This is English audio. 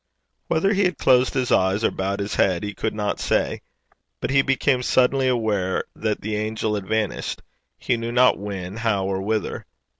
Whether he had closed his eyes or bowed his head, he could not say; but he became suddenly aware that the angel had vanished he knew not when, how, or whither.